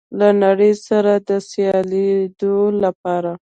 له نړۍ سره د سیالېدو لپاره